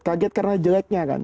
kaget karena jeleknya kan